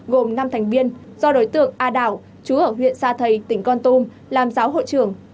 gồm năm thành viên do đối tượng a đảo chú ở huyện sa thầy tỉnh con tum làm giáo hội trưởng